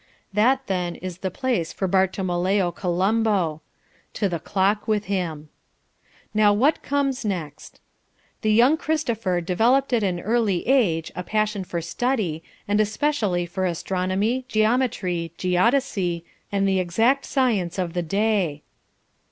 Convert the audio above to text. That then is the place for Bartolomeo Colombo. To the clock with him. Now what comes next? "...The young Christopher developed at an early age a passion for study, and especially for astronomy, geometry, geodesy, and the exact science of the day."